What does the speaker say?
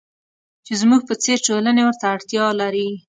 چې زموږ په څېر ټولنې ورته اړتیا لري.